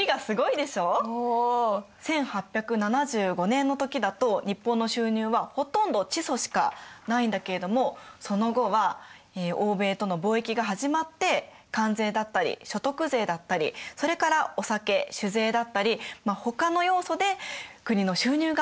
１８７５年の時だと日本の収入はほとんど地租しかないんだけれどその後は欧米との貿易が始まって関税だったり所得税だったりそれからお酒酒税だったりほかの要素で国の収入がこうして増えていくんですね。